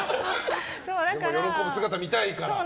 喜ぶ姿が見たいから？